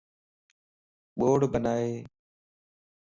ٻوڙ بنائي